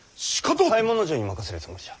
左衛門尉に任せるつもりじゃ。